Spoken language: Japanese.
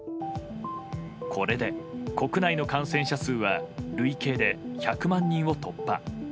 これで国内の感染者数は累計で１００万人を突破。